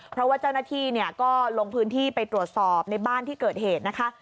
เพราะว่าเจ้าหน้าที่ก็ลงพื้นที่ไปตรวจสอบในบ้านที่เกิดเหตุนะคะ